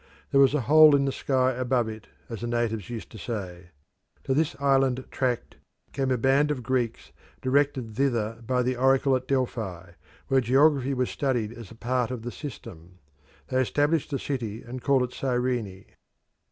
There was a hole in the sky above it, as the natives used to say. To this island tract came a band of Greeks directed thither by the oracle at Delphi, where geography was studied as a part of the system. They established a city and called it Cyrene.